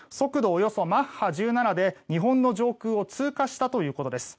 およそマッハ１７で日本の上空を通過したということです。